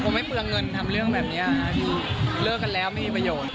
ผมไม่เผื่อเงินทำเรื่องแบบนี้นะเริ่มแล้วไม่มีประโยชน์